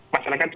masalah kan itu